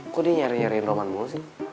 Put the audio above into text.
kok dia nyari nyariin romanmu sih